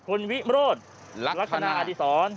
คุณวิโรธรักษณะอาทิสร